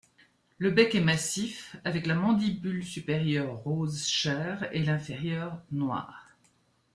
Le bec est massif avec la mandibule supérieure rose chair et l'inférieure noire.